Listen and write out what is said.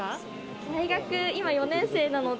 今、大学４年生なので。